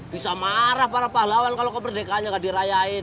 bisa marah para pahlawan kalau keberdekaan nya gak diraya in